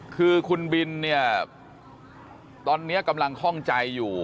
คือคุณบินเนี่ยตอนนี้กำลังคล่องใจอยู่